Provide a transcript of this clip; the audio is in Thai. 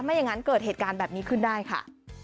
อย่างนั้นเกิดเหตุการณ์แบบนี้ขึ้นได้ค่ะ